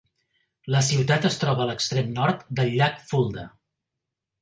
La ciutat es troba a l'extrem nord del llac Fulda.